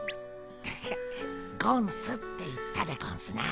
ハハゴンスって言ったでゴンスな。